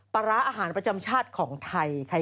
ปลาร้าอาหารประจำชาติของไทย